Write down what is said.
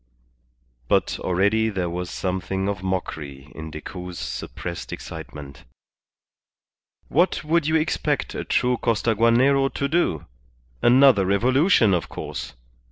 But already there was something of mockery in Decoud's suppressed excitement. "What would you expect a true Costaguanero to do? Another revolution, of course.